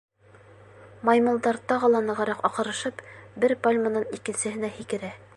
Маймылдар тағы ла нығыраҡ аҡырышып, бер пальманан икенсеһенә һикерә.